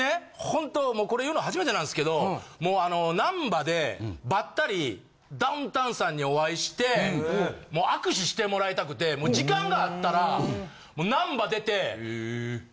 ほんとこれ言うの初めてなんすけどもうあの難波でばったりダウンタウンさんにお会いしてもう握手してもらいたくてもう時間があったら。